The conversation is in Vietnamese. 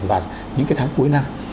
và những cái tháng cuối năm